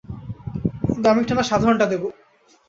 দামিটা না সাধারণটা দেবো?